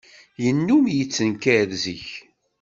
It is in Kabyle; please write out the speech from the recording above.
Yennum yettenkar-d zik.